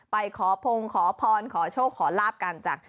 ไปขอพงษ์ขอพรช่วงขอลาบกันจาก